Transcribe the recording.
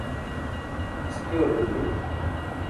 iski ġarum ẓu.